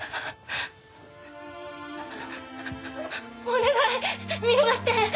お願い見逃して！